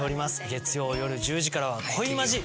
月曜夜１０時からは「恋マジ」